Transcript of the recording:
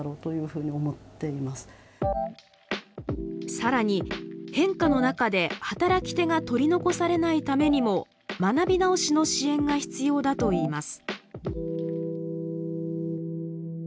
さらに変化の中で働き手が取り残されないためにも学び直しの支援が必要だといいます。